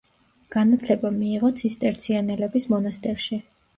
განათლება მიიღო ცისტერციანელების მონასტერში.